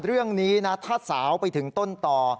เรื่องนี้นะถ้าสาวไปถึงต้นต่อ